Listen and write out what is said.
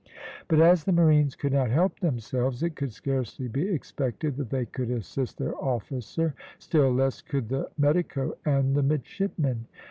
But as the marines could not help themselves, it could scarcely be expected that they could assist their officer, still less could the medico and the midshipmen.